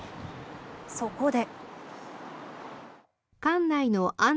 そこで。